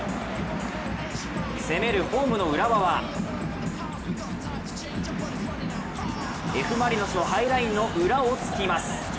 攻めるホームの浦和はＦ・マリノスのハイラインの裏をつきます。